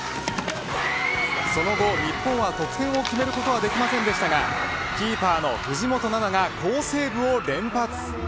その後、日本は得点を決めることはできませんでしたがキーパーの藤本那菜が好セーブを連発。